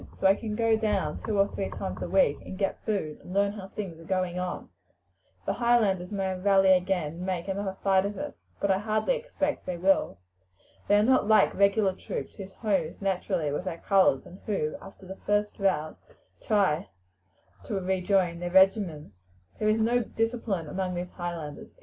So I can go down two or three times a week and get food, and learn how things are going on. The Highlanders may rally again and make another fight of it; but I hardly expect they will. They are not like regular troops, whose home is naturally with their colours, and who, after the first rout, try to rejoin their regiments. There is no discipline among these Highlanders.